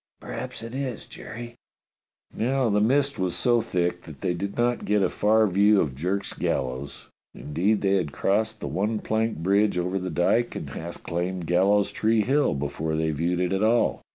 "Perhaps it is, Jerry." Now the mist was so thick that they did not get a far view of Jerk's gallows; indeed they had crossed the one planked bridge over the dyke and half climbed Gallows Tree Hill before they viewed it at all.